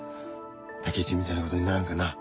武一みたいなことにならんかな？